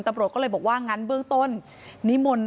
ตำรวจก็เลยบอกว่างั้นเบื้องต้นนิมนต์